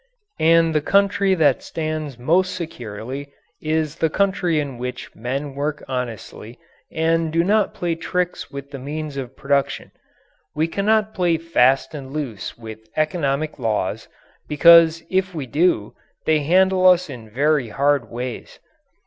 And the country that stands most securely is the country in which men work honestly and do not play tricks with the means of production. We cannot play fast and loose with economic laws, because if we do they handle us in very hard ways.